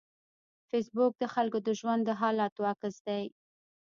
فېسبوک د خلکو د ژوند د حالاتو عکس دی